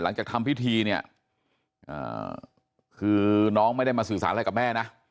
หลังจากทำพิธีเนี่ยคือน้องไม่ได้มาสื่อสารอะไรกับแม่นะ